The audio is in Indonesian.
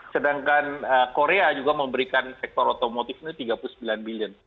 sedangkan korea juga memberikan sektor otomotif ini tiga puluh sembilan billion